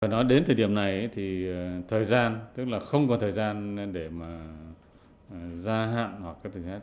nó đến thời điểm này thì thời gian tức là không còn thời gian để mà gia hạn hoặc các thứ khác